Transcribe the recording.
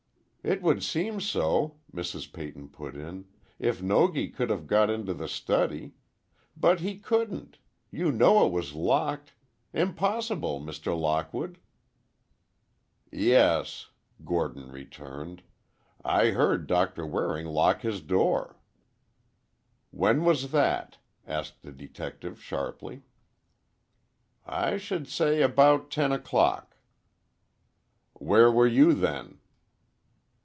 "It would seem so," Mrs. Peyton put in, "if Nogi could have got into the study. But he couldn't. You know it was locked—impossible, Mr. Lockwood?" "Yes," Gordon returned. "I heard Doctor Waring lock his door." "When was that?" asked the detective, sharply. "I should say about ten o'clock." "Where were you, then?"